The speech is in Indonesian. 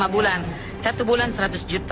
lima bulan satu bulan seratus juta